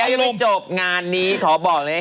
เดี๋ยวจะจบงานนี้ขอบอกเลย